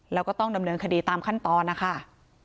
แล้วก็ต้องดำเนินคดีตามขั้นตอนนะคะ